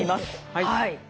はい。